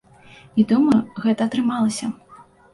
І думаю, гэта атрымалася.